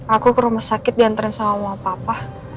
aku ke rumah sakit diantarin sama mama papa